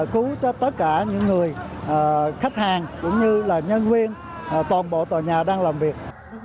cứu cho tất cả những người khách hàng cũng như là nhân viên toàn bộ tòa nhà đang làm việc